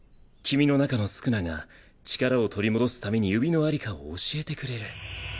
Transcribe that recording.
君の中の宿儺が力を取り戻すために指の在りかを教えてくれる。